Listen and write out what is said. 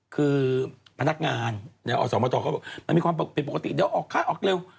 คือพนักงานอสมตรเขาบอกมันมีความผิดปกติเดี๋ยวออกค่าออกเร็ว